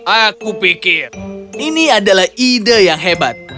aku pikir ini adalah ide yang hebat